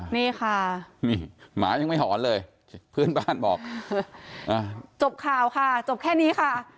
นี่ค่ะนี่หมายังไม่หอนเลยเพื่อนบ้านบอกจบข่าวค่ะจบแค่นี้ค่ะ